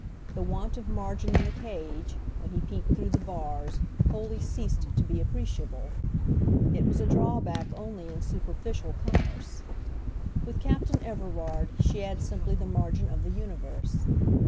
The want of margin in the cage, when he peeped through the bars, wholly ceased to be appreciable. It was a drawback only in superficial commerce. With Captain Everard she had simply the margin of the universe.